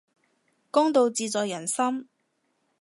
公道自在人心